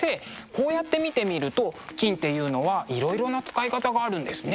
こうやって見てみると金っていうのはいろいろな使い方があるんですね。